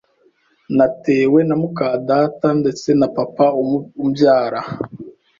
natewe na mukadata ndetse na papa umbyara,